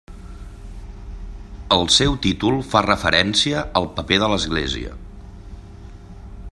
El seu títol fa referència al paper de l'Església.